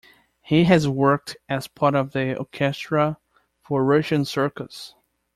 He has worked as part of the orchestra for Russian circus.